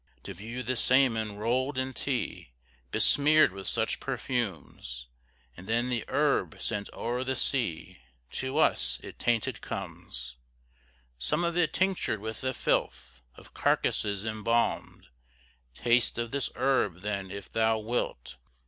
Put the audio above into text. To view the same enrolled in tea, Besmeared with such perfumes, And then the herb sent o'er the sea, To us it tainted comes Some of it tinctured with a filth Of carcasses embalmed; Taste of this herb, then, if thou wilt!